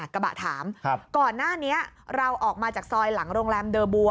กระบะถามก่อนหน้านี้เราออกมาจากซอยหลังโรงแรมเดอร์บัว